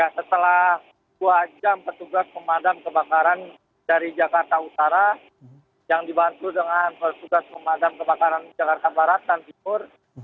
setelah dua jam petugas pemadam kebakaran dari jakarta utara yang dibantu dengan petugas pemadam kebakaran jakarta barat dan timur